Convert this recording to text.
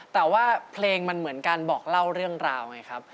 แต่ว่าเพลงมันเหมือนการบอกเล่าเรื่องราวไงครับ